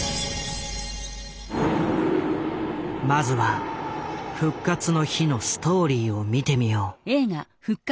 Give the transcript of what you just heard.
まずは「復活の日」のストーリーを見てみよう。